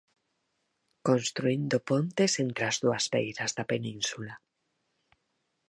Construíndo pontes entre as dúas beiras da península.